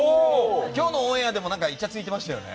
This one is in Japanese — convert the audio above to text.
今日のオンエアでもいちゃついてましたよね。